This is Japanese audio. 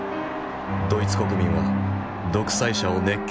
ドイツ国民は独裁者を熱狂的に迎えた。